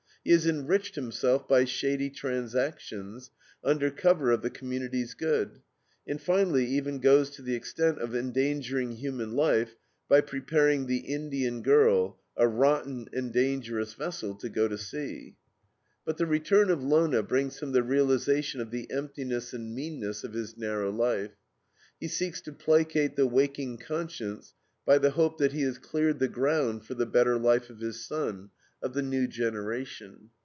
He has enriched himself by shady transactions, under cover of "the community's good," and finally even goes to the extent of endangering human life by preparing the INDIAN GIRL, a rotten and dangerous vessel, to go to sea. But the return of Lona brings him the realization of the emptiness and meanness of his narrow life. He seeks to placate the waking conscience by the hope that he has cleared the ground for the better life of his son, of the new generation.